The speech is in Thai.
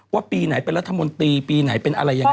ปีไหนเป็นรัฐมนตรีปีไหนเป็นอะไรยังไง